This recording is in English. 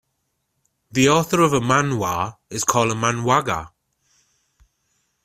The author of a manhwa is called a manhwaga.